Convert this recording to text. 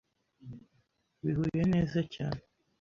Bihuye neza cyane.